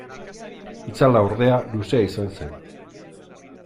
Itzala, ordea, luzea izan zen.